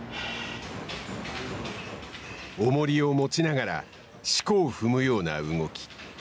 重りを持ちながらしこを踏むような動き。